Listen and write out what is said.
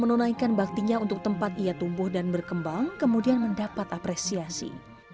menunaikan baktinya untuk tempat ia tumbuh dan berkembang kemudian mendapat apresiasi